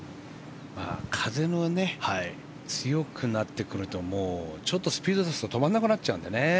風も強くなってくるとちょっとスピードを出すと止まらなくなっちゃうのでね。